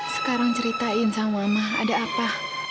sekarang ceritain sama mama ada apa